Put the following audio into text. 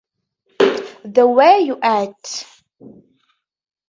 The Where you at?